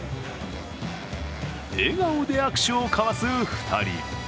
笑顔で握手を交わす２人。